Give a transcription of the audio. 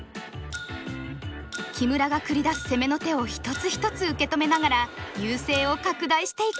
木村が繰り出す攻めの手を一つ一つ受け止めながら優勢を拡大していく。